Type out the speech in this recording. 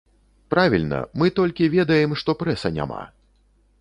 Правільна, мы толькі ведаем, што прэса няма.